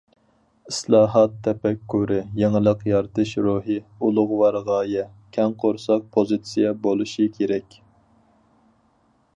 ئىسلاھات تەپەككۇرى، يېڭىلىق يارىتىش روھى، ئۇلۇغۋار غايە، كەڭ قورساق پوزىتسىيە بولۇشى كېرەك.